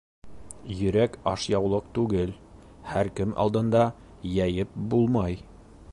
Йөрәк ашъяулыҡ түгел, һәр кем алдында йәйеп булмай.